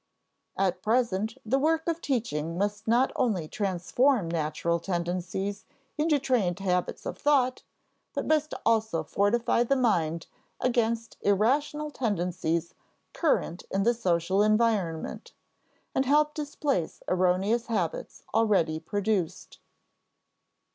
At present, the work of teaching must not only transform natural tendencies into trained habits of thought, but must also fortify the mind against irrational tendencies current in the social environment, and help displace erroneous habits already produced.